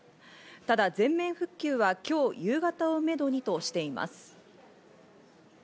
ただ全面復旧は今日、夕方をめどにとしています。